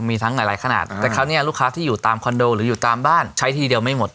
มีทั้งหลายหลายขนาดแต่คราวนี้ลูกค้าที่อยู่ตามคอนโดหรืออยู่ตามบ้านใช้ทีเดียวไม่หมด